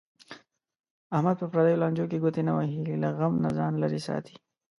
احمد په پردیو لانجو کې ګوتې نه وهي. له غم نه ځان لرې ساتي.